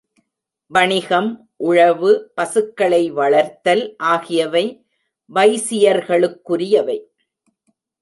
வணிகம், உழவு, பசுக்களை வளர்த்தல் ஆகியவை வைசியர்களுக்குரியவை.